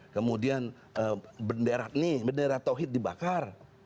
kemudian benderat nih bendera tauhid dibakar